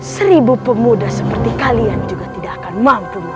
seribu pemuda seperti kalian juga tidak akan mampu